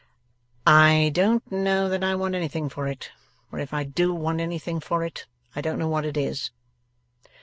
'I don't know that I want anything for it. Or if I do want anything for it, I don't know what it is.